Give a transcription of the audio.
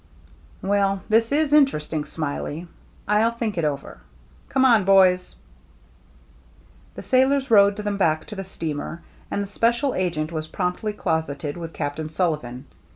" Well, this is interesting, Smiley. I'll think it over. Come on, boys." The sailors rowed them back to the steamer ; and the special agent was promptly closeted with Captain Sullivan.